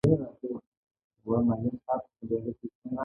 څه کم پينځه کاله.